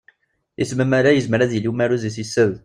Isem amalay yezmer ad yili umaruz -is yessed.